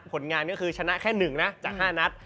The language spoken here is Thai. ผลงานก็คือชนะแค่๑นะจาก๕นัด